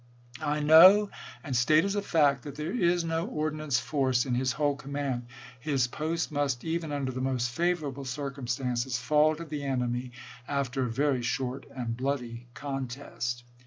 I know, and state as a fact, that there is no ord nance force in his whole command. His post must, even under the most favorable circumstances, fall to the enemy after a very short and bloody contest.